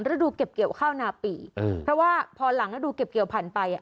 ฤดูเก็บเกี่ยวข้าวนาปีเพราะว่าพอหลังฤดูเก็บเกี่ยวผ่านไปอ่ะ